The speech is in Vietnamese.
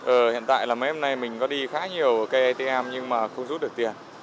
ở hiện tại là mấy hôm nay mình có đi khá nhiều cây atm nhưng mà không rút được tiền